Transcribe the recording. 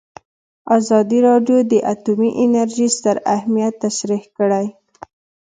ازادي راډیو د اټومي انرژي ستر اهميت تشریح کړی.